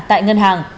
tại ngân hàng